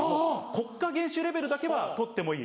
国家元首レベルだけは撮ってもいい。